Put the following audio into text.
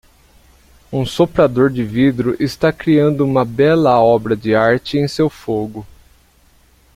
Um soprador de vidro está criando uma bela obra de arte em seu fogo.